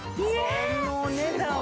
このお値段は。